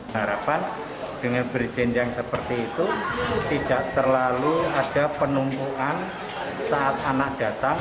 harapan dengan berjenjang seperti itu tidak terlalu ada penumpuan saat anak datang